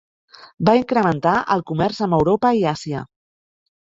Va incrementar el comerç amb Europa i Àsia.